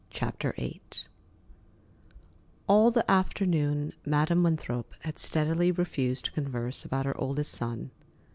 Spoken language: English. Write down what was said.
CHAPTER VIII All the afternoon, Madam Winthrop had steadily refused to converse about her oldest son.